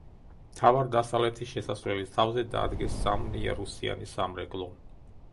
მთავარ, დასავლეთის შესასვლელის თავზე დაადგეს სამიარუსიანი სამრეკლო.